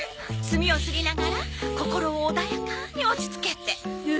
墨をすりながら心を穏やかに落ち着けて。